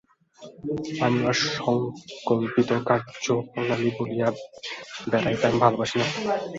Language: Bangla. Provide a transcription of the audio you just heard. আমার সঙ্কল্পিত কার্যপ্রণালী বলিয়া বেড়াইতে আমি ভালবাসি না।